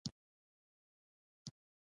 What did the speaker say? زمرک د پټي کونجونه نه و وهلي پلار یې غوسه و.